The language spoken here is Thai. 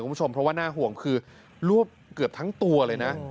เพราะว่าน่าห่วงคือลวกเกือบทั้งตัวเลยนะ